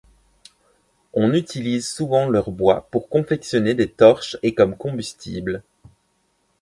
On utilise souvent leur bois pour confectionner des torches et comme combustible.